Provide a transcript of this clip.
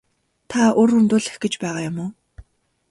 Та үр хөндүүлэх гэж байгаа юм уу?